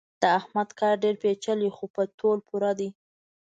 د احمد کار ډېر پېچلی خو په تول پوره دی.